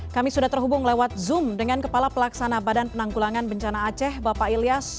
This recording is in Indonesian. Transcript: kami sudah terhubung lewat zoom dengan kepala pelaksana badan penanggulangan bencana aceh bapak ilyas